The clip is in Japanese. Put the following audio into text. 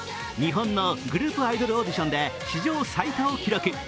日本のグループアイドルオーディションで史上最多を記録。